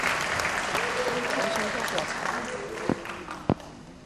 口水多過茶